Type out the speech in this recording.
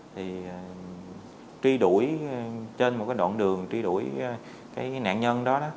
thì truy đuổi trên một cái đoạn đường truy đuổi cái nạn nhân đó đó